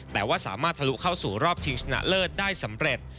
แต่ว่าสามารถทะลุเข้าสู่รอบชิงชนะเลิศได้สำเร็จ